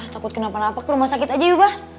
takut kenapa napa ke rumah sakit aja yuk abah